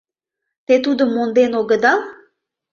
— Те тудым монден огыдал?